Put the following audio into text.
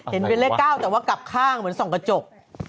เห็นเป็นเลข๙แต่ว่ากลับข้างเหมือนส่องกระจก